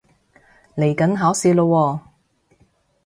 嚟緊考試喇喎